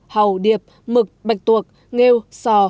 hầu điệp mực bạch tuộc nghêu sò